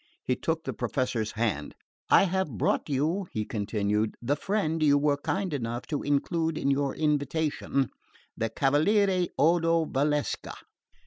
He took the Professor's hand. "I have brought you," he continued, "the friend you were kind enough to include in your invitation the Cavaliere Odo Valsecca."